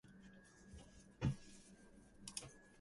Nasir was widely criticized during Gayoom's regime.